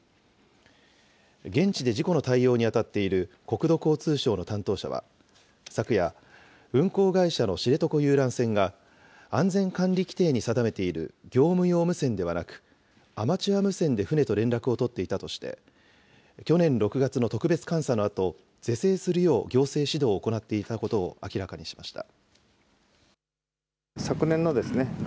現地で事故の対応に当たっている国土交通省の担当者は、昨夜、運航会社の知床遊覧船が、安全管理規程に定めている業務用無線ではなく、アマチュア無線で船と連絡を取っていたとして、去年６月の特別監査のあと、是正するよう行政指導を行っていたことを明らかにしました。